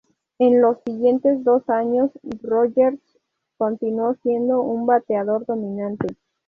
En los siguientes dos años Rogers continuó siendo un bateador dominante.